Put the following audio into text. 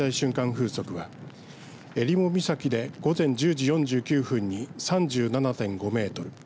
風速はえりも岬で午前１０時４９分に３７．５メートル